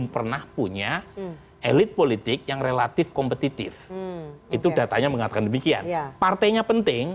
karena punya elit politik yang relatif kompetitif itu datanya mengatakan demikian partainya penting